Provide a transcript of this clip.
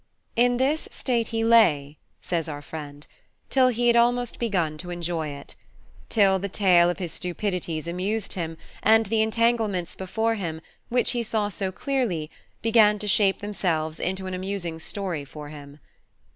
In this state he lay (says our friend) till he had almost begun to enjoy it: till the tale of his stupidities amused him, and the entanglements before him, which he saw so clearly, began to shape themselves into an amusing story for him.